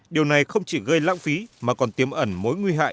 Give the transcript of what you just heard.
điều này không chỉ gây lãng phí mà còn tiêm ẩn mối nguy hại